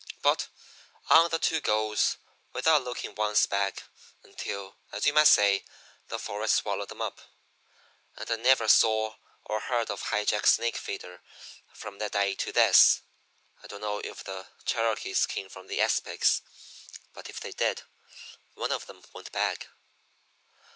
"But on the two goes; without looking once back until, as you might say, the forest swallowed 'em up. And I never saw or heard of High Jack Snakefeeder from that day to this. I don't know if the Cherokees came from the Aspics; but if they did, one of 'em went back.